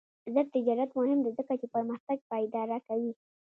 آزاد تجارت مهم دی ځکه چې پرمختګ پایداره کوي.